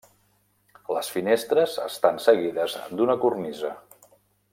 Les finestres estan seguides d'una cornisa.